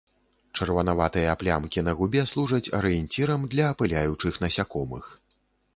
Чырванаватыя плямкі на губе служаць арыенцірам для апыляючых насякомых.